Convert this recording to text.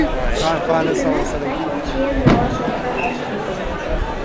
Туге гынат сай йолчием налаш окса ыш сите.